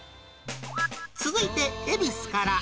続いて恵比寿から。